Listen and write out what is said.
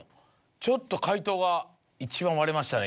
ちょっと解答が一番割れましたね